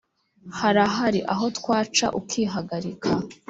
harahari aho twaca ukihagarika